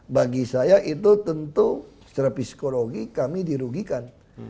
bagi saya itu tentu secara psikologi kami dirugikan